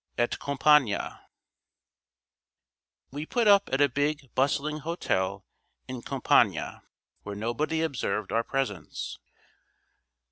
AT COMPIÈGNE WE put up at a big, bustling hotel in Compiègne, where nobody observed our presence.